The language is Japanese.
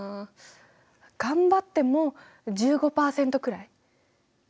頑張っても１５％くらい？